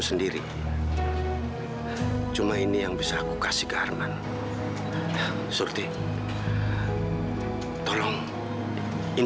sampai jumpa di video selanjutnya